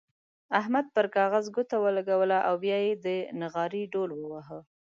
احمد پر کاغذ ګوته ولګوله او بيا يې د نغارې ډوهل وواهه.